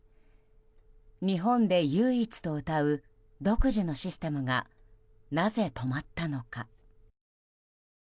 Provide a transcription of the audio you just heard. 日本で唯一とうたう独自のシステムがなぜ止まったのか。